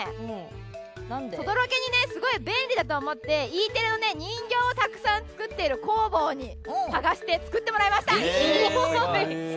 すごく便利だと思ってＥテレの人形をたくさん作っている工房を探して作ってもらいました。